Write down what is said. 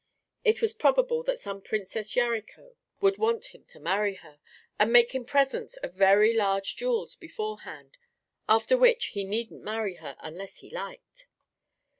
It was probable that some Princess Yarico would want him to marry her, and make him presents of very large jewels beforehand; after which, he needn't marry her unless he liked.